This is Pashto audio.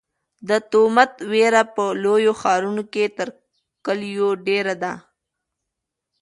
د تومت وېره په لویو ښارونو کې تر کلیو ډېره ده.